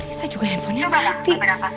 rissa juga handphonenya mati